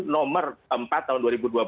nomor empat tahun dua ribu dua puluh